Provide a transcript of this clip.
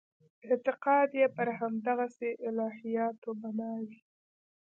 اعتقاد یې پر همدغسې الهیاتو بنا وي.